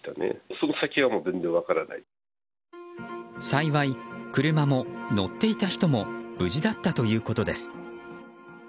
幸い車も乗っていた人も無事だったということです。